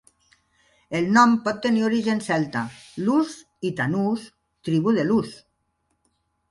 El nom pot tenir origen celta: "Lus" i "Tanus", "tribu de Lus".